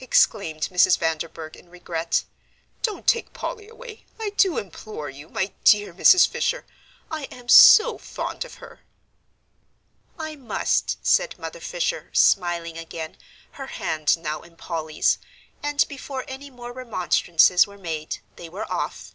exclaimed Mrs. Vanderburgh, in regret, "don't take Polly away, I do implore you, my dear Mrs. Fisher I am so fond of her." "I must," said Mother Fisher, smiling again, her hand now in Polly's, and before any more remonstrances were made, they were off.